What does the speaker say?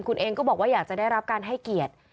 คุณเองก็บอกว่าอยากจะได้รับการให้เกียรติ